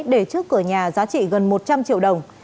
để trước cửa nhà giá trị gần một trăm linh triệu đồng